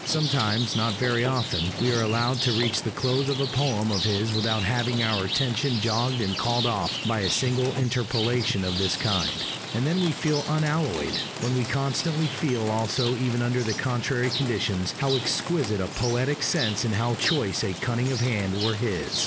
Sometimes, not very often, we are allowed to reach the close of a poem of his without having our attention jogged and called off by a single interpolation of this kind; and then we feel unalloyed what we constantly feel also even under the contrary conditions how exquisite a poetic sense and how choice a cunning of hand were his.